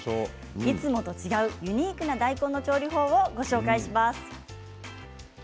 いつもと違うユニークな大根の調理法をご紹介します。